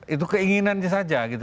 itu keinginannya saja gitu